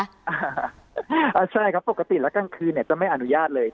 อ่าใช่ครับปกติแล้วกลางคืนเนี่ยจะไม่อนุญาตเลย